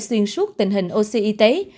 xuyên suốt tình hình oxy y tế